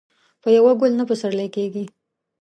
په يوه ګل نه پسرلی کېږي.